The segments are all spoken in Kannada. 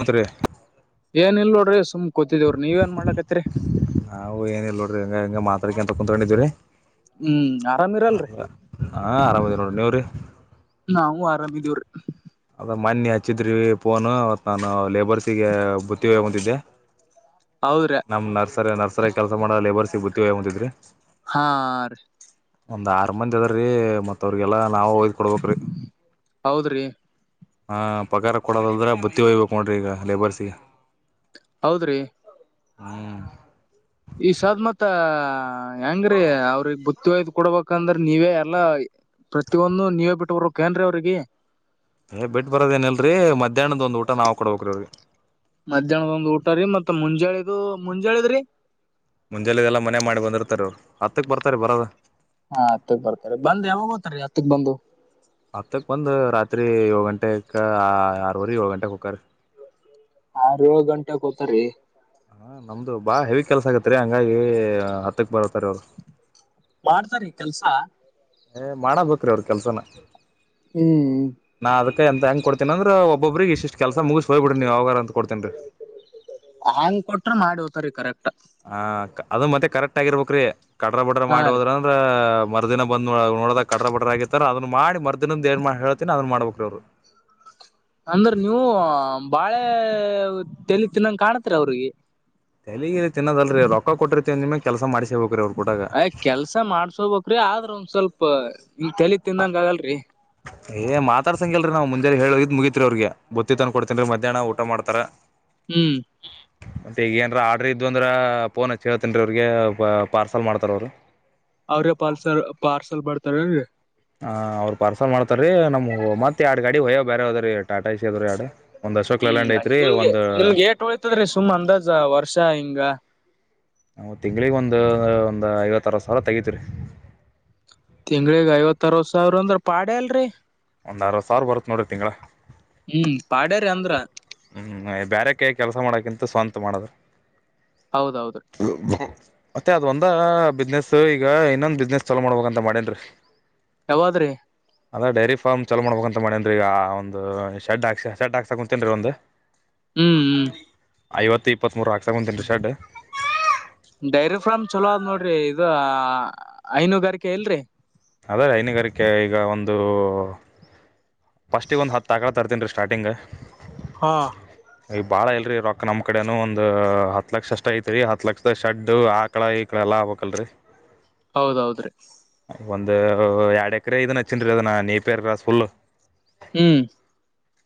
ಮತ್ರಿ ಏನಿಲ್ಲ ನೋಡ್ರಿ ಸುಮ್ ಕುತಿದೇವ್ರಿ ನೀವ ಏನ್ ಮಾಡಾಕತ್ತಿರಿ? ನಾವು ಏನಿಲ್ಲ ನೋಡ್ರಿ ಹಂಗ ಹಿಂಗ ಮಾತಾಡ್ಕಂತಾ ಕುತ್ಕೊಂಡಿದೇವ್ರಿ. ಹ್ಮ್ ಆರಾಮಿರಲ್ರಿ ಹಾ ಆರಾಮದೇವ ನೋಡಿ ನೀವ್ರಿ? ನಾವು ಆರಾಮಿದೀವ್ರೀ. ಅದ ಮನ್ನಿ ಹಚ್ಚಿದ್ರಿ ಫೋನ್ ಅವತ್ ನಾನು ಲೇಬರ್ಸಿಗೆ ಬುತ್ತಿ ವಯ್ಯಾಕ್ ಬಂದಿದ್ದೆ. [inaudible] ಹೌದ್ರಿ. ನಮ್ಮ್ ನರ್ಸರಿ ನರ್ಸರಿ ಕೆಲಸ ಮಾಡೋ ಲೇಬರ್ಸಿಗ್ ಬುತ್ತೀ ವಯ್ಯಾಕ ಬಂದಿದ್ರಿ. ಹಾ ರಿ ಒಂದ್ ಆರು ಮಂದಿ ಅದಾರೀ ಮತ್ತ ಅವ್ರಿಗೆಲ್ಲಾ ನಾವ ಒಯದ್ ಕೊಡ್ಬೇಕ ರೀ ಹೌದ್ರಿ ಹಾ ಪಗಾರ ಕೊಡೋದದ್ರೆ ಬುತ್ತಿ ಒಯ್ಯಬೇಕು ನೋಡ್ರಿ ಈಗ ಲೇಬರ್ಸಿಗೆ ಹೌದ್ರಿ ಹ್ಮ್ ಈ ಸದ್ದ ಮತ್ ಹೆಂಗ್ರೀ ಅವ್ರು ಬುತ್ತಿ ವೈದು ಕೊಡ್ಬೇಕಂದ್ರೆ ನೀವೇ ಎಲ್ಲಾ ಪ್ರತಿಯೊಂದು ನೀವೇ ಬಿಟ್ಟ ಬರಬೇಕ ಏನ್ರಿ ಅವ್ರಿಗಿ. ಏ ಬಿಟ್ಟ ಬರೋದ ಏನ ಇಲ್ರಿ ಮಧ್ಯಾಹ್ನದ ಒಂದು ಊಟಾ ನಾವು ಕೊಡ್ಬೇಕ್ರೀ ಅವ್ರಿಗೆ ಮಧ್ಯಾಹ್ನದ ಒಂದ್ ಊಟಾ ರೀ ಮತ್ ಮುಂಜಾಳಿದು ಮುಂಜಾಳಿದ್ ರೀ ಮುಂಜಾಲೆದೆಲ್ಲಾ ಮನೆಯಾಗ ಮಾಡಿ ಬಂದಿರ್ತಾರ ಅವ್ರು ಹತ್ತಕ್ಕೆ ಬರ್ತಾರೆ ಬರೋದ ಹಾ ಹತ್ತಕ್ ಬರ್ತಾರೆ ಬಂದ ಯಾವಾಗೋತಾರಿ ಹತ್ತಕ್ ಬಂದು. ಹತ್ತಕ್ ಬಂದು ರಾತ್ರಿ ಏಳು ಗಂಟೆಗೆ ಆರವರೆ ಏಳು ಗಂಟೆಗೆ ಹೋಕ್ಕಾರಿ ಆರ್ ಏಳ ಗಂಟೆಗೆ ಹೋಕಾರಿ ಹಾ ನಮ್ದು ಬಾಳ ಹೆವಿ ಕೆಲಸ ಆಗತ್ರಿ ಹಂಗಾಗಿ ಹತ್ತಕ್ ಬರತ್ತಾರ ಅವ್ರು ಮಾಡ್ತಾರಿ ಕೆಲ್ಸಾ ಏ ಮಾಡಬೇಕ್ರೀ ಅವ್ರ ಕೆಲ್ಸ ನಾ ಹುಂ ನಾ ಅದಕ ಎಂತ ಹೆಂಗ ಕೋಡ್ತನ ಅಂದ್ರ ಒಬ್ಬರಿಗೆ ಇಷ್ಟಿಷ್ಟು ಕೆಲಸ ಮುಗಿಸಿ ಹೋಗಿಬಿಡರೀ ನೀವ್ ಯಾವಾಗರ ಅಂತ ಕೊಡ್ತನ್ರಿ. ಹಂಗ್ ಕೊಟ್ರ ಮಾಡಿ ಹೋತಾರಿ ಕರೆಕ್ಟ್ ಹ ಅದು ಮತ್ತೆ ಕರೆಕ್ಟ್ ಆಗಿರಬೇಕರೀ ಕಡ್ರ ಬಡ್ರ ಹಾ ಮಾಡಿ ರೀ ಹೋದ್ರ ಮರ್ದಿನ ಬಂದ್ ನೋಡದಾಗ ಕಡ್ರ ಬಡ್ರ ಆಗಿತದ್ರ ಅದನ್ನ ಮಾಡಿ ಮರದಿನದ ಏನ್ ಮಾಡ ಹೇಳತನಿ ಅದನ್ ಮಾಡ್ಬೇಕ್ರಿ ಅವ್ರು ಅಂದ್ರ ನೀವು ಬಾಳೆ ತೆಲಿ ತಿನ್ನಂಗ ಕಾಣತ್ರಿ ಅವ್ರಿಗೆ. ತೆಲಿಗಿಲಿ ತಿನ್ನೋದಲ್ರಿ ರೊಕ್ಕ ಕೊಟ್ಟಿರ್ತಿವ ಅಂದಮಾಲ ಕೆಲಸ ಮಾಡ್ಸೇಬೇಕು ರೀ ಅವ್ರು ಕೂಡಾಗ ಸರ್ ಮಾಡ್ಸೋಬಕರೀ ಆದ್ರ ಒಂದ್ ಸ್ವಲ್ಪ ತಲಿ ತಿಂದಂಗ ಆಗಲರಿ ಹ ಏ ಮಾತಾಡ್ಸಂಗ್ಯಲ್ರರಿ ನಾವು ಮುಂಜಾನೆ ಹೇಳಿಹೋಗಿಂದ್ ಮುಗಿತ್ ರಿ ಅವ್ರಿಗೆ ಬುತ್ತಿ ತಂದ ಕೊಡ್ತೀನ್ ರೀ ಮಧ್ಯಾಹ್ ಊಟಾ ಮಾಡ್ತಾರ ಹುಂ ಮತ್ತೆ ಈಗ ಏನ್ರೇ ಆರ್ಡ್ರ ಇದು ಅಂದ್ರ ಫೋನ್ ಹಚ್ಚಿ ಹೇಳ್ತೇನ್ ಅವ್ರಿಗೆ ಪಾರ್ಸಲ್ ಮಾಡ್ತಾರ ಅವರು ಅವ್ರಿಗೆ ಪಾಲ್ಸಲ್ ಪಾರ್ಸಲ್ ಮಾಡರ್ತಾರ ಎನ್ರಿ ಹ ಅವ್ರು ಪಾರ್ಸಲ್ ಮಾಡ್ತಾರೀ ನಮ್ ಮತ್ತ ಎರಡ್ ಗಾಡಿ ಹೊಯೋ ಬೇರೆ ಅದಾ ರಿ ಟಾಟಾ ಎಸಿ ಅದಾವ ರಿ ಎರಡ್ ಒಂದ್ ಅಶೋಕ್ ಲಲ್ಯಾಂಡ್ ಐತ್ರಿ ಒಂದ್ ಹೋಯ್ತದ್ರಿ ಸುಮ್ ಅಂದಾಜ ವರ್ಷ ಹಿಂಗ ನಾವು ತಿಂಗಳಗೆ ಒಂದ ಒಂದ್ ಐವತ್ತರ ಅರವತ್ ಸಾವಿರ ತೆಗತಿನರಿ. ತಿಂಗಳಗ್ ಐವತ್ತ ಅರವತ್ ಸಾವಿರ ಅಂದ್ರ ಪಾಡೆ ಅಲ್ರರಿ ಒಂದುಾಅರವತ ಸಾವಿರ ಬರತ್ತ ನೋಡಿರಿ ತಿಂಗಳ ಹುಂ ಪಾಡ್ಯೇರಿ ಅಂದ್ರ ಹುಂ ಬೇರೆಯವರ ಕೈಯಾಗ ಕೆಲಸ ಮಾಡೋಕಿಂತ ಸ್ವಂತ ಮಾಡದು ಹೌದದೌದ [inaudible] ಮತ್ತೆ ಅದ ಒಂದ ಬಿಸ್ನೆಸ್ ಈಗ ಇನ್ನೊಂದ ಬಿಸ್ನೆಸ್ ಚಾಲೋ ಮಾಡ್ಬಬೇಕಂತ ಮಾಡೇನ್ರಿ. ಯಾವದ್ರಿ ಅದೇ ಡೈರಿ ಫಾರ್ಮ್ ಚಲೋ ಮಾಡಬೇಕ ಅಂತ ಮಾಡೇನ್ ಈಗ ಒಂದು ಶೆಡ್ ಹಾಕ್ ಶೆಡ್ ಹಾಕ್ತಾ ಕುಂತೇನ್ ರೀ ಒಂದು ಹ್ಮ್ ಹ್ಮ್ ಐವತ್ತು ಇಪ್ಪತ್ ಮೂರು ಹಾಕಸಾಕ ಕುಂತೇನ್ ಶೇಡ್ ಡೈರಿ ಫಾರ್ಮ್ ಚಲೋ ಆದ್ ನೋಡ್ರಿ ಇದು ಹೈನೂಗಾರಿಕೆ ಇಲ್ರಿ ಅದೇ ಹೈನಗಾರಿಕೆ ಈಗ ಒಂದು ಫರ್ಸ್ಟ್ ಒಂದು ಹತಾ ಹಾಕಲಾ ತರ್ತೀನ್ ರೀ ಸ್ಟಾರ್ಟಿಂಗ್ ಹಾ ಈ ಬಾಳ ಇಲ್ರಿ ರೊಕ್ಕ ನಮ್ ಕಡೆನು ಒಂದ್ ಹತ್ ಲಕ್ಷ ಅಷ್ಟ ಐತಿರಿ ಹತ್ ಲಕ್ಷದ ಶಡ್ ಹಾಕ್ ಕಳಾಯ ಈ ಕಳ ಎಲ್ಲ ಹಕ್ಕಲ್ರಿ ಹೌದೌದ್ರೀ ಒಂದು ಎರಡ್ ಎಕರೆ ಇದನ್ ಹಚ್ಚನ್ ಅದ ನೀಪೇರ್ ಫುಲ್ ಹ್ಮ್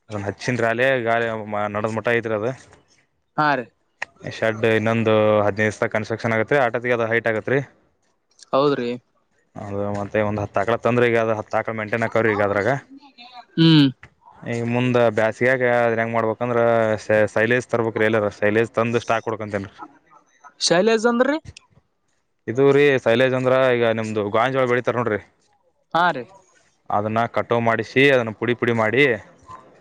ಅದ ಹಚ್ಚಿದ್ರ ಅಾಲೇ ಗಾಾಲಿ ನಡದ್ ಮಟ್ಟ ಐತ್ರಿ ಅದು ಹಾ ರೀ ಶೆಡ್ ಇನ್ನೊಂದು ಹದ್ದು ದ್ಸ ಕನ್ಸ್ಟ್ರಕ್ಷನ್ ಆಗತ್ರಿ ಆಟದ ಅದದು ಹೈಟ್ ಆಗತ್ರಿ ಹೌದ್ರಿ ಅದು ಮತ್ತೆ ಒಂದ ಹೂತು ಅಕಾಲ ತಂದ್ರ ಈಗ ಅದು ಹೂತು ಅಕಾಲ ಮೆಟ [unintelligible] ಹ್ಮ್ ಈಗ ಮುಂದೆ ಬ್ಯಾಸಗಕ ಅದನ್ ಹೆಂಗ ಮಾಡ್ಬೇಕಂದ್ರೆ ಸೈಲೇಶ್ ತರ್ಬೇಕ್ರೀ ಎಲ್ಲ ರ ಸೈಲಜ್ ತಂದು ಸ್ಟಾಕ್ ಕೊಡ್ಕೊಂತೇನ್ ಶೈಲೇಶ್ ಅಂದ್ರಿ ಇದು ರೀ ಸೈಲಜ್ ಅಂದ್ರ ಈಗ ನಿಮ್ದು ಗಾಂಜೋಳ ಬೆಳಿತತಾರ ನೋಡ್ರಿ ಹಾ ರೀ ಅದನ್ನ ಕಟೋ ಮಾಡಿಸಿ ಅದನ್ನು ಪುಡಿ ಪುಡಿ ಮಾಡಿ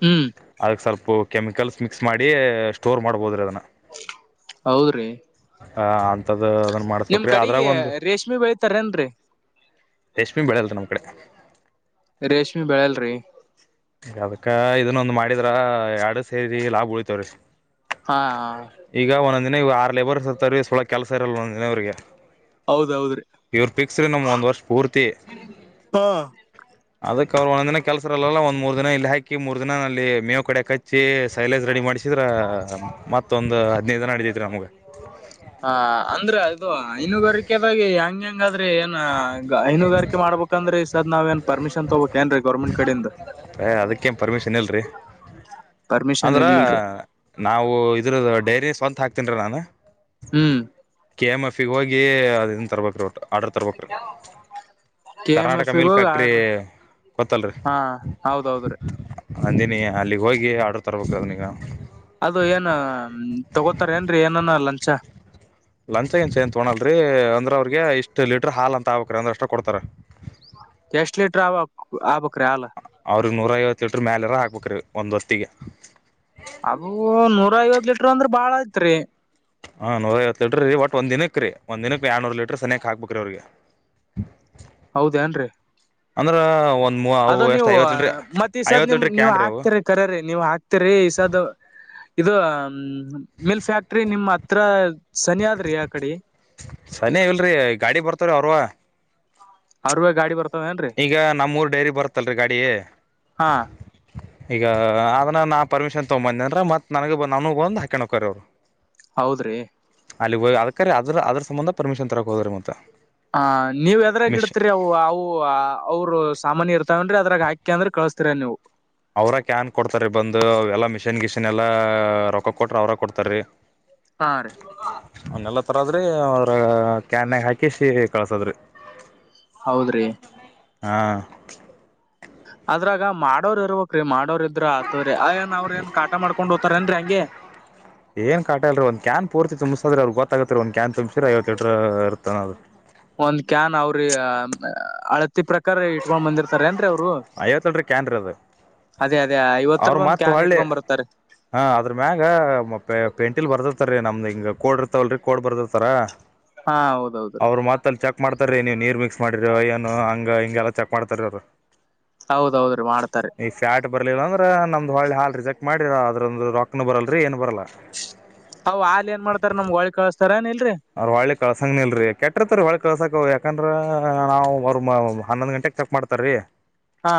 ಹ್ಮ್ ಅದಕ್ ಸ್ವಲ್ಪ ಕೆಮಿಕಲ್ಸ್ ಮಿಕ್ಸ್ ಮಾಡಿ ಸ್ಟೋರ್ ಮಾಡ್ಬೋದ್ರಿ ಅದನ್ನ ಹೌದ್ರಿ ಆ ಅಂತದ್ ಅದನ್ನ ನಿಮ್ ಮಾಡಸ್ಬೇಕ್ರಿ ಅದ್ರಾಗ ಕಡೆಗೆ ಒಂದು ರೇಷ್ಮೆ ಬೆಳಿತಾರೇನ್ರರಿ ರೇಷ್ಮಿ ಬೆಳ ಅಲ್ಲ ನಮ್ಮ ಕಡೆ ರೇಷ್ಮಿ ಬೆಳಲ್ರಿ ಅದಕ್ಕ ಇದನ್ನೊಂದು ಮಾಡಿದ್ರ ಎರಡು ಸೇರಿ ಲಾಭ ಉಳಿತವ್ರೀ ಹಾ ಈಗ ಒಂದ್ನ ಇಗ ಆರ್ ಲೇಬರ್ರ್ಸ್ ಒಳಗ್ ಕೆಲಸ ಇರಲ್ಲ ಒಂದ್ನವ್ರಿಗೆ ಹೌದೌದ್ರಿ ಇವ್ರ ಫಿಕ್ಸ್ ರೀ ನಮ್ಗೆ ಒಂದು ವರ್ಷ ಪೂರ್ತಿ ಹಾ ಅದಕ್ಕೆ ಅವರು ಒಂದಿನ ಕೆಲಸರಲ್ಲ ಒ ಮೂರ್ ದಿನ ಇಲ್ಲಿ ಹಾಕಿ ಮೂರ್ ದಿನ ಅಲ್ಲಿ ಮೇವು ಕಡೆ ಕಚ್ಚಿ ಸೈಲೆನ್ಸ್ ರೆಡಿ ಮಾಡಿ ಚಿದ್ರ ಮತ್ತೊಂದು ಹದ್ನೈದು ಜನ ಅಡಿದೈತ್ರಿ ನಮ್ಗ ಹಾ ಅಂದ್ರೆ ಅದು ಹಐನುಗಾರಿಕೆದಾಗಿ ಹೆಂಗ್ಯಾಂಗ ಹಂಗಾದ್ರೆ ಏನ್ ಹೈನುಗಾರಿಕೆ ಮಾಡ್ಬೇಕಂದ್ರೆ ಸದ ನಾವ ಏನ್ ಪರ್ಿಶನ್ ತಗೋಬೇಕಕ್ ಏನ್ರೀ ಗೌರ್ಮೆಂಟ್ ಕಡಿಂದ ಯ ಅದಕ್ಕೇನು ಪರ್ಮಿಷನ್ ಇಲ್ರಿ ಪರ್ಮಿಷನ್ ಅಂದ್ರೆ ಇಲ್ರಿ ನಾವು ಇದ್ರ ಡೈರಿ ಸ್ವಂತ ಹಾಕ್ತೀನ್ರೀ ನಾನು ಹ್ಮ್ ಕೆ ಎಮಂ ಎಫ್ ಹೋಗಿ ಅದನ್ನ ತರ್ಬೇಕು ರಟ್ ಆರ್ಡರ್ ತರ್ಬೇಕು [unintelligible] ಕೆ ಎಂ ಎಫ್ ಸಿಗ ಮಿಲ್ ಹೋಗ ಫ್ಯಾಕ್ಟ್ರಿ ಆರ್ಡರ್ ಹಾ ಹೌದ್ದ್ರೀ ಹಂದಿನಿ ಅಲ್ಲಿ ಹೋಗಿ ಆರ್ಡ್ರರ್ ತರ್ಬೇಕದು ನೀಗ ಅದು ಏನು ತಗೋತಾರ ಏನ್ರಿ ಏನನ ಲಂಚ ಲಂಚಗಿಂಚ ಏನ್ ತಗೋಲ್ರರಿ ಅಂದ್ರೆ ಅವ್ರಿಗೆ ಇಷ್ಟ್ ಲೀಟ್ರ ಹಾಲ್ ಅಂತ ಆಾಬೇಕಕ್್ರೀ ಅಂದ್ರ ಅಷ್ಟ ಕೊಡ್ತಾರ ಎಷ್ಟು ಲೀಟರ್ ಆ ಆಗಬೇಕು ಹಾಲು ಅವ್ರಗ್ ನೂರ ಐವತ್ತು ಎಟ್ರ ಮೇಲೆ ಎಾರ ಹಾಕ್ಬೇಕ್ರೀ ಒಂದ್ ಹೊತ್ತತಿಿಗೆ ಅದು ನೂರ ಐವತ್ ಲೀಟರ್ ಅಂದ್ರ ಬಾಳ ಅತ್ರಿ - ಹಾ ನೂರೈವತ್ತು ಲೀಟ್ರರೀ ಬಟ್ ಒಂದ ದಿನಕ್ ರೀ ಒಂದ ದಿನಕ್ ರ ಯಾಡ್ನೂರ್ ಲೀಟರ್ ಸನೆಕ್ ಹಾಕ್ಬೇಕ್ರೀ ಅವ್ರಿಗೆ [unintelligible] ಹೌದೇನ್ರೀ? ಅಂದ್ರ ಒಂದು ಅದ ನೀವು ಮತ್ತ ಈ ಸದ್ ನಿಮ್ ಲೀಟರ್ ನೀವ್ ಕ್ಯಾನ್ ರೀ ಅವು ಹಾಕ್ತಿರಿ? ಕರೆ ರಿ ನೀವು ಹಾಕ್ತಿರಿ ಈ ಸದು ಇದು ಹ ಮಿಲ್ಕ್ ಫ್ಯಾಕ್ಟ್ರಿ ನಿಮ್ಮ್ ಹತ್ರ ಸನಿ ಆದ್ರಿ ಆ ಕಡೆ ಸನಿ ಇಲ್ರಿ ಗಾಡಿ ಬರ್ತವ ರೀ ಅವ್ರುವ ಅವ್ರೇ ಗಾಡಿ ಬರ್ತ್ ಈಗ ನಮ್ಮೂರು ಡೈರಿ ಬರುತ್ತಲ್ರಿ ಗಾಡಿ ಹಾ ಈಗ ಅದನ್ನ ನಾ ಪರ್ಮಿಷನ್ ತಗೊಂದ ಬಂದೆ ಅಂದ್ರ ಮತ್ತು ನನಗೆ ಬ ನಾನೂ ಬಂದು ಹಾಕಣ ಹೊಕ್ಕಾರ್ ರಿ ಅವ್ರ ಹೌದ್ರಿ ಅಲ್ಲಿ ಹೋಗಿ ಅದಕರೆ ಅದ್ರ ಅದ್ರ ಸಂಬಂಧ ಪರ್ಮಿಷನ್ ತರೋಕ್ಕೆ ಹೋದ್ರೀ ಮತ್ತ ಹ ನೀವ್ ಎದ್ರಾಗ ಮಿಶ್ ಇಡ್ತರಿ ಅವು ಅವು ಅವರು ಸಾಮಾನ್ಯ ಇರ್ತಾವ ಅಲ್ರೀ ಅದ್ರಾಗ ಹಾಕಿ ಅಂದ್ರೆ ಕಳಸ್ತೀರ ನೀವು - ಅವ್ರ ಕ್ಯಾನ್ ಕೊಡ್ತಾರೀ ಬಂದು ಎಲ್ಲ ಮಿಷಿನ್ ಗಿಶನ್ ಎಲ್ಲ ರೊಕ್ಕ ಕೊಟ್ರ ಅವ್ರ ಕೊಡ್ತಾರೀ. [unintelligible] ಹಾ ರೀ. ಅವನ್ನೆಲ್ಲ ತರದ್ರಿ ಅವ್ರ ಕ್ಯಾನಗ್ ಹಾಕಿಸಿ ಕಳ್ಸದ್ರಿ. ಹೌದ್ರಿ ಹಾ ಅದ್ರಾಗ ಮಾಡೋರ್ ಇರಬೇಕ್ರಿ ಮಾಡೋರ್ ಇದ್ರ ಆತದ್ರೀ ಆ ಏನ್ ಅವ್ರ ಏನ್ ಕಾಟ ಮಾಡಕೊಂಡ್ ಹೊತಾರ್ ಏನ್ರಿ ಹಂಗೆ ಏನ್ ಕಾಟಲ್ರಿ ಒಂದು ಕ್ಯಾನ್ ಪೂರ್ತಿ ತುಂಬಸೊದ್ರಿ ಅವ್ರಿಗೆ ಗೊತ್ತು ಅಗತ್ತರಿ ಒಂದ ಕ್ಯಾನ್ ತುಂಬಸಿರ ಐವತ್ತು ಲೀಟರ್ ಇರ್ತ ಅನ್ನೋದ ಒಂದ್ ಕ್ಯಾನ್ ಅವ್ರ ಅಳತಿ ಪ್ರಕಾರ ಅಕ್ಕರ್ ಇಟ್ಕೊಂಡ್ ಬಂದಿರ್ತಾರೆ ಏನ್ರೀ ಅವರು - ಐವತ್ ಲೀಟರ್ ಕ್ಯಾನ್ ರೀ ಅದು ಅದೇ ಅದೇ ಅವ್ರ ಐವತ್ತರದ ಒಂದ್ ಮತ್ ಕ್ಯಾನ್ ಹೊಳ್ಳಿ ಇಟ್ಕೊಂಡ್ ಬರ್ತಾರಿ. ಹಾ ಅದರ ಮ್ಯಾಗ ಪ ಪೆಂಟಿಲ್ ಬರ್ದಿರ್ತಾರೀ ನಮ್ದು ಹಿಂಗ ಕೋಡ್ ಇರ್ತಾವಲ್ ರೀ ಕೋಡ್ ಬರೆದಿರುತ್ತಾರ. ಹಾ ಹೌದೌದ್ರೀ. ಮತ್ತ ಚೆಕ್ ಮಾಡ್ತಾರೀ ನೀವು ನೀರ್ ಮಿಕ್ಸ್ ಮಾಡಿರ ಏನು ಹಂಗ ಹಿಂಗೆಲ್ಲಾ ಚೆಕ್ ಮಾಡ್ತಾರ ಅವ್ರು. ಹೌದೌದ ರೀ ಮಾಡ್ತಾರಿ. ನೀವು ಫ್ಯಾಟ್ ಬರ್ಲಿಲ್ಲ ಅಂದ್ರೆ ನಮ್ದ್ ಹೊಳ್ಳೆ ಹಾಲ್ ರಿಜೆಕ್ಟ್ ಮಾಡಿ ಅದರಂದು ರೊಕ್ಕನು ಬರಲ್ರರಿ ಏನು ಬರಲ್ಲ. ಅವ್ ಹಾಲ್ ಏನ್ ಮಾಡ್ತಾರ ನಮ್ಗ್ ಹೊಳ್ಳಿ ಕಳಸ್ತಾರ ಏನ್ ಇಲ್ಲರಿ? ಅವ್ ಹೊಳ್ಳಿ ಕಳ್ಸಂಗ ನಿಲ್ರರಿ ಕೆಟ್ಟ್ರತ್ ರೀ ಒಳ್ಳ ಕಳ್ಸಾಕ ಯಾಕಂದ್ರ ನಾವ್ ಅವರ ಹನ್ನೊಂದ್ ಗಂಟೆಗೆ ಚೆಕ್ ಮಾಡ್ತಾರಿ. ಹಾ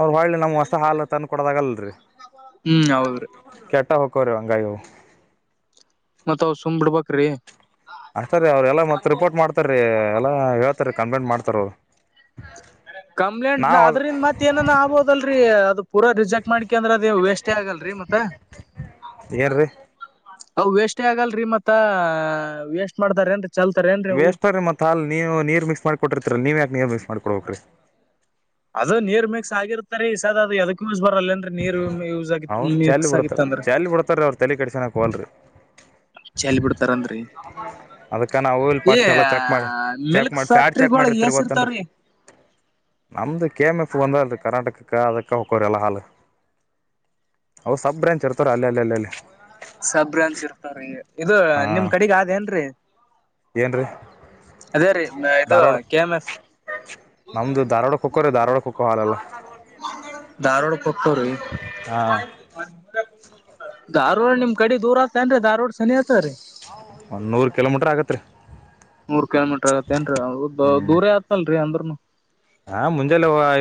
ಅವ್ರು ಹೊಳ್ಳಿ ನಮಗ ಹೊಸ ಹಾಲ ತಂದ ಕೊಡದಾಗಲ್ರಿ. ಹ್ಮ್ ಹೌದ್ರಿ ಕೆಟ್ಟ ಹೊಕ್ಕವ್ರಿ ಹಾಂಗಾಗಿ - ಮತ್ತ ಅವ್ ಸುಮ್ ಬಿಡ್ಬೇಕ್ರಿ. ಅತರೀ ಅವ್ರು ಎಲ್ಲ ಮತ್ತೆ ರಿಪೋರ್ಟ್ ಮಾಡತ ರೀ ಎಲ್ಲ ಹೇಳ್ತಾರೆ ಕಂಪ್ಲೇಂಟ್ ಮಾಡ್ತಾರ ಅವ್ರು. [unintelligible] ಕಂಪ್ಲೇಂಟ್ ನಾವ್ ಅದ್ ಅದ್ರಿಂದ ಮತ್ತ ಏನ ಆಗ್ಬೋದಲ್ರರಿ ಅದು ಪೂರ ರಿಜೆಕ್ಟ್ ಮಾಡ್ಕೊಂಡ್ರ ಅದ ವೇಸ್ಟೇ ಆಗಲ್ರರಿ ಮತ್ತ ಏನ್ ರೀ - ಅವು ವೇಸ್ಟ್ ಆಗಲ್ರಿ ಮತ್ತ ವೇಸ್ಟ್ ಮಾಡ್ತಾರ ಏನ್ರೀ ಚಲ್ತಾರ ಅವು ವೇಸ್ಟ್ ರೀ ಮತ್ ಹಾಲ್ ನೀರ್ ಮಿಕ್ಸ್ ಮಾಡಿ ಕೊಟ್ಟರ್ತೀರಿ ನೀವ ಯಾಕ್ ನೀರ್ ಮಿಕ್ಸ್ ಮಾಡಿ ಕೊಡ್ಬೇಕ್ರೀ? ಅದು ನೀರ್ ಮಿಕ್ಸ್ ಆಗಿರ್ತಾರೆ ಈ ಸಾದ ಅದು ಅದಕ್ಕ ಯೂಸ್ ಬರಲ್ಲ ಏನ್ರಿ? ಅಂದ್ರೆ ನೀರು ಒಮ್ಮಿ ಯೂಸ್ ಆಗಿ ಮಿಕ್ಸ್ ಆಗಿತ್ತ ಅಂದ್ರ ರ ಬರ್ತಾರ ಅವ್ರ ತಲೆ ಕಡಿಸಲಕ ಹೊಲರಿ ಚಲ್ಲಿ ಬಿಡ್ತಾರನ್ರಿ ಅದ್ಕ ನಾವು ಇಲ್ಲೀ ಏ ಪಸ್ಟ್ ಎಲ್ಲ ಚೆಕ್ ಮಾಡಿ ಚೆಕ್ ಮಿಲ್ಕ್ ಮಾಡ್ ಯಾರ ಚೆಕ್ ಫ್ಯಾಕ್ಟ್ರಿಗಳ ಮಾಡಿರ್ತ ಎಸ್ ಗೊತ್ತನ್ರಿ ಇರ್ತಾವ್ರಿ ನಮ್ದು ಕೆ ಎಮಂ ಎಫ್ ಒಂದ ಅಲ್ರಿ ಕರ್ನಾಟಕಕ್ಕ ಅದಕ್ಕೆ ಹೊಕ್ಕರಿ ಎಲ್ಲ ಹಾಲ ಅವ ಸಬ್ ಬ್ರ್ಯಾಂಚ್ ಇರ್ತಾರ ಅಲ್ಲ ಅಲ್ಲಿ ಅಲ್ಲೆ ಅಲ್ಲಿ ಸಬ್ ಬ್ರಾಂಚ್ ಇರ್ತಾರಿ ಇದು ಹಾ ನಿಮ್ಮ ಕಡೆಗ ಆದನ್ರೀ ಏನ್ರೀ ಅದೇರೀ ಇದು ಧಾರವಾಡ ಕೆ ಎಂ ಎಪ್. ನಮ್ದು ಧಾರವಾಡ ಖೋರೆ ಧಾರವಾಡ ಹೋಕವ ಹಾಲಲ್ಲ. ಧಾರವಾಡಕ್ ಹೋಗ್ತವ್ರಿ ಹಾ ಧಾರವಾಡ ನಿಮ್ ಕಡೆ ದೂರ ಆತ ಏನ್ರಿ ಧಾರ್ವಾಡ ಸನಿ ಆತರಿ ಒಣ್ಣೂರ ಕಿಲೋಮೀಟ್ರ್ ಆಗತ್ರಿ. ನೂರ್ ಕಿಲೋಮೀಟರ್ ಆಗತ್ತೇನ್ರೀ ಹ್ಮ್ ದೂರ ಆತಲ್ರರಿ ಅಂದ್ರೂನು ಹಾ ಮುಂಜೆ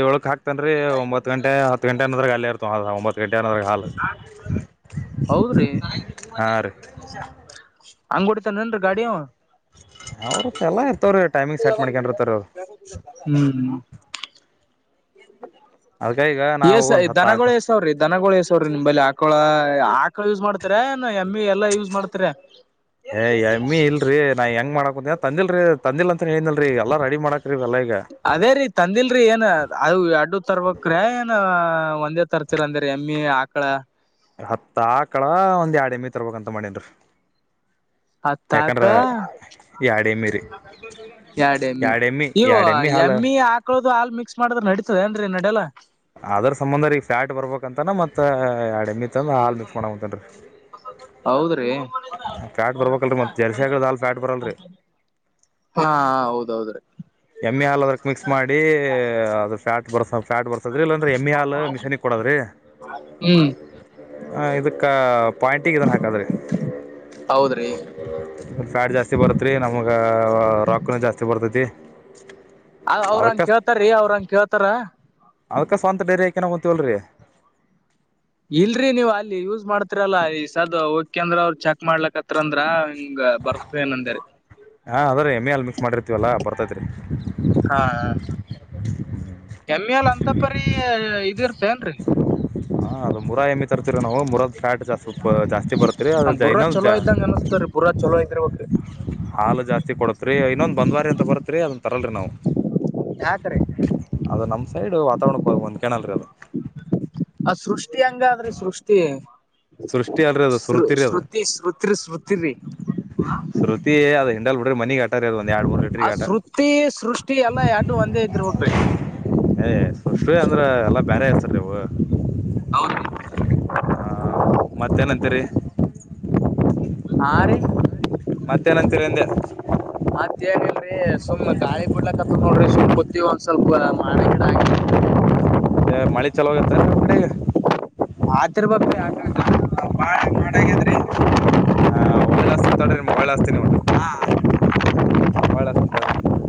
ಏಳಕ್ ಹಾತನ್ರಿ ಒಂಬತ್ತ ಗಂಟೆ ಹತ್ತ ಗಂಟೆ ಅನದ್ರೆ ಅಲ್ಲೇರ್ತ ಹತ್ತ ಗಟೆ ಅದ ಹ ಹೌದ್ರೀ ಹಾ ರೀ ಅಂಗ ಹೊಡಿತಾನನ್ರಿ ಗಾಡಿ ಅವ ಅವ್ರ ಎಲ್ಲ ಇರ್ತವ್ರೀ ಟೈಮಿಂಗ್ ಸೆಟ್ ಮಾಡ್ಕೊಂಡಿರ್ತಾರ ಅವ್ರು [unintelligible] ಹ್ಮ [inaudible] ಅದ್ಕ ಈಗ ನಾವ ಒಂದ ಹತ್ತಾಕ ರ ದನಗಳ ಎಸವ್ರಿ ನಿಂಬಲ್ಲಿ ಆಕಳ ಆಕಳ ಯೂಸ್ ಮಾಡ್ತಾರ ಏನ್ ಎಮ್ಮಿ ಎಲ್ಲಾ ಯೂಸ್ ಮಾಡ್ತಾರ. ಏ ಎಮ್ಮಿ ಇಲ್ರಿ ನಾ ಹೆಂಗ ಮಾಡಾಕಂದ ತಂದಿಲ್ರಿ ತಂದಿಲ್ಲ ಅಂತ ಹೇಳಿನಲ್ರಿ ಎಲ್ಲಾ ರೆಡಿ ಮಾಡಾಕ್ರೀ ಎಲ್ಲ ಈಗ ಅದೇ ರೀ ತಂದಿಲ್ರಿ ಏನ್ ಅದು ಎಡ್ಡು ತರ್ಬ್ರ ಏನ್ ಅ ಅಂದೆ ತರ್ತಿರ ಅಂದ್ರ ಎಮ್ಮಿ ಆಕಳ ಹತ್ತ ಆಕಳ ಒಂದ್ ಎರಡ ಎಮ್ಮಿ ತರ್ಬೇಕ ಅಂತ ಮಾಡೇನ್ರಿ ಅತ್ತ ಯಾಕಂದ್ರ ಆಕಳ ಎರಡ್ ಎಮ್ಮಿ ರೀ ಎಡ ಎಮ್ಮಿ ಎರಡ್ ಇವ ಎರಡ್ ಹಾಲ್ ಎಮ್ಮಿ ಆ ಕ್ಕಳದ ಹಾಲ ಮಿಕ್ಸ್ ಮಾಡ್ರ ನಡೀತದ ಏನ್ರಿ ನಡೆಲ್ಲ. ಅದ್ರ ಸಂಬಂಧರೀಗ ಫ್ಯಾಟ್ ಬರ್ಬೇಕ ಅಂತನ ಮತ್ತ ಯಡ ಎಮ್ಮಿ ತಂದ ಹಾಲ್ ಮಿಕ್ಸ್ ಮಾಡತಾನ್ರಿ. ಹೌದ್ರೀ. ಫ್ಯಾಟ್ ಬರ್ಬೇಕಲ್ರ ಮತ್ ಜರ್ಸಿಗಳದ ಫ್ಯಾಟ್ ಬರಲ್ರಿ. ಹಾ ಹೌದ ಹೌದ್ರೀ. ಎಮ್ಮಿ ಹಾಲ ಅದ್ಕ ಮಿಕ್ಸ್ ಮಾಡಿ ಅದ ಫ್ಯಾಟ್ ಬರ ಫ್ಯಾಟ್ ದ್ರಲ್ಲ ಅಂದ್ರೆ ಎಮ್ಮಿ ಹಾಲ ಆಲ್ ಮಿಷನಿಗ ಕೊಡೋದ್ರೀ. ಹ್ಮ್ ಹಾ ಇದಕ್ಕ ಪಾಯಿಂಟಿಗ ಇದನ್ನ ಹಾಕದ್ರಿ. ಹೌದ್ರಿ ಫ್ಯಾಟ್ ಜಾಸ್ತಿ ಬರತ್ರಿ ನಮ್ಗ ರೊಕ್ಕನು ಜಾಸ್ತಿ ಬರ್ತತಿ. ಅ ಅವ್ರಂಗ ಕೇಳ್ತಾರೀ ಅವ್ರಂಗ ಕೇಳ್ತಾರ. ಅದಕ್ಕ ಸ್ವಂತ ಡರಿಯಾಕನ ವಲ್ರಿ ಇಲ್ರಿ ನೀವ್ ಅಲ್ಲಿ ಯೂಸ್ ಮಾಡ್ತಿರಲ್ಲ ಈ ಸದ್ದ ಓಕೆ ಅಂದ್ರ ಅವರ ಚೆಕ್ ಮಾಡ್ಲಕತ್ರ ಅಂದ್ರ ಹಂಗ ಬರ್ತನ ಅಂದರಿ. ಹಾಂ ಅದರೀ ಎಮೆ ಅಲ್ಲಿ ಮಿಕ್ಸ್ ಮಾಡಿರ್ತೀವಲ್ಲ ಬರ್ತೈತ್ರಿ. ಹಾ ಎಮ್ಮಿ ಹಾಲ ಅಂತ ಪರಿ ಇದ ಇರ್ತ ಅನ್ರಿ. ಹಾಂ ಅದು ಮುರ ಏಮಿ ತರ್ತಿರಿ ನಾವ ಮುರದ ಫ್ಯಾಟ್ ಜಾಸ್ ಜಾಸ್ತಿ ಬರ್ತೀರಿ ಅದ ಇನ್ನಾದ ಬುರ ಚಲೋ ಇದ್ರ ಬೇಕರಿ. ಹಾಲ ಜಾಸ್ತಿ ಕೊಡತ್ರಿ ಇನ್ನೊಂದ ಬಂದ್ವಾರಿ ಅಂತ ಬರತ್ರಿ ಅದನ ತರಲ್ರಿ ನಾವ ಯಾಕ್ರೀ ಅದ ನಮ್ ಸೈಡ್ ವಾತಾವರಣಕ್ಕ ಹೊಂದ್ಕೊಳ್ಳಲ್ಲ್ರಿ ಅದ. ಆ ಸೃಷ್ಟಿ ಹಂಗಾದ್ರಿ ಸೃಷ್ಟಿ. ಸೃಷ್ಟಿ ಅಲ್ರಿ ಅದು ಸೃ ಸುರುತಿ ರೀ ಅದು ಸೃ ಶೃತಿ [unintelligible] ಶ್ರುತಿ ಅದು ಹಿಂಡಾಲ್ ಬಿಡ್ರಿ ಮನಿಗ್ ಅಟ್ಟರಿ ಅದ ಒಂದ್ ಯಾಡ್ ಮೂರ್ ಲಿಟರಿ ಆ ಶೃತಿ ಸೃಷ್ಟಿ ಎಲ್ಲಾ ಯಾಡು ಒಂದೇ ಐತ್ರಿ [unintelligible] ಏ ಸೃಷ್ಟಿ ಅಂದ್ರ ಎಲ್ಲಾ ಬ್ಯಾರೆ ಹೆಸರಿ ಅವ. ಹೌದು ಮತ್ತೇನಂತರಿ. ಹಾ ರೀ ಮತ್ತೇನಂತೀರಿ ಅಂದೆ. ಮತ್ ಏನಿಲ್ರಿ ಸುಮ್ ಗಾಳಿ ಬಿಡ್ಲಕ್ತ್ದ ನೋಡ್ರಿ ಸುಮ್ ಕುಂತೀವಿ ಒಂದ್ ಸ್ವಲ್ಪ ಮಾಡಾ ಗಿಡಾ ಆಗ್ಯದ ಮಳಿ ಚಾಲೋ ಆಗೆತ್ ಏನ್ರೀ ನಿಮ್ ಕಡೆ ಈಗ್. ಆತಿರ್ಬೇಕ್ರಿ ಯಾಕಂದ್ರ ಬಾಳ ಮಾಡಾ ಆಗ್ಯದ್ರಿ. ಹಾ ಒಳ್ಳೆ ತಡ್ರಿ ನಿಮ್ಗ ಹೊಳ್ಳಿ ಹಚ್ಚ್ತೀನ್ ನಿಮ್ಗ. ಹಾ ಹೊಳ್ಳಿ ಹಚ್ಚ್ತೀನಿ ತಡ್ರಿ.